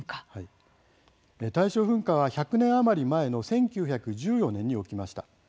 大正噴火は１００年余り前の１９１４年に起きました。